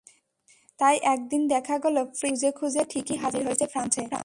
তাই একদিন দেখা গেল, প্রিন্স খুঁজে খুঁজে ঠিকই হাজির হয়েছে ফ্রান্সে।